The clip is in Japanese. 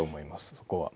そこは。